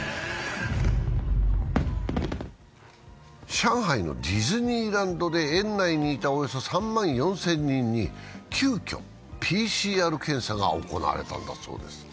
上海のディズニーランドで園内にいたおよそ３万４０００人に急きょ、ＰＣＲ検査が行われたんだそうです。